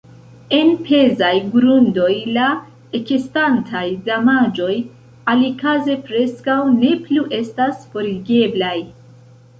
En pezaj grundoj la ekestantaj damaĝoj alikaze preskaŭ ne plu estas forigeblaj.